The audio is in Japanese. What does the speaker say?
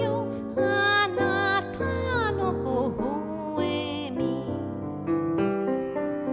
「あなたのほほえみ」